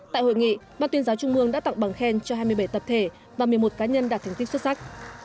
tại hội nghị ban tuyên giáo trung mương đã tặng bằng khen cho hai mươi bảy tập thể và một mươi một cá nhân đạt thành tích xuất sắc